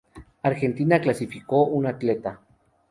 Argentina clasificó un atleta.